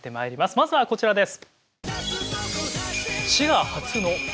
まずはこちらです。